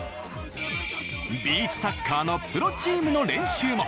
ビーチサッカーのプロチームの練習も。